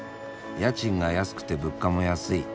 家賃が安くて物価も安い。